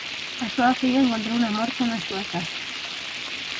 A súa filla encontrouna morta na súa casa.